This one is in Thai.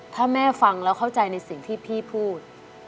ถ้าแม่ฟังแล้วเข้าใจในสิ่งที่พี่พูด